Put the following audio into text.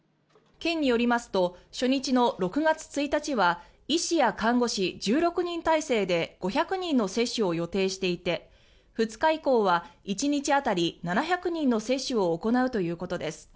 県によりますと初日の６月１日は医師や看護師１６人態勢で５００人の接種を予定していて２日以降は１日当たり７００人の接種を行うということです。